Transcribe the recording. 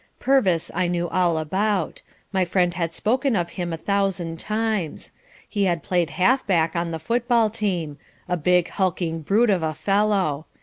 Purvis I knew all about. My friend had spoken of him a thousand times. He had played half back on the football team a big hulking brute of a fellow.